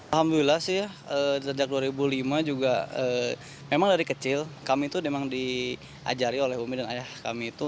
alhamdulillah sih ya sejak dua ribu lima juga memang dari kecil kami itu memang diajari oleh umi dan ayah kami itu